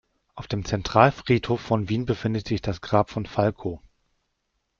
Auf dem Zentralfriedhof von Wien befindet sich das Grab von Falco.